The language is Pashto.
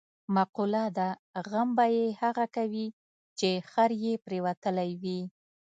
مقوله ده: غم به یې هغه کوي، چې خر یې پرېوتلی وي.